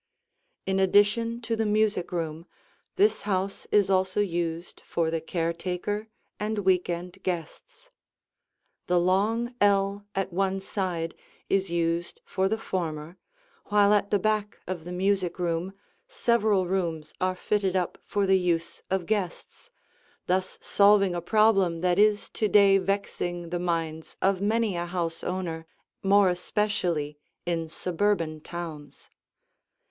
In addition to the music room, this house is also used for the caretaker and week end guests. The long ell at one side is used for the former, while at the back of the music room several rooms are fitted up for the use of guests, thus solving a problem that is to day vexing the minds of many a house owner, more especially in suburban towns.